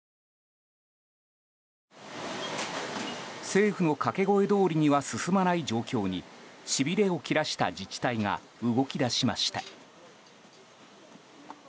政府の掛け声どおりには進まない状況にしびれを切らした自治体が動き出しました。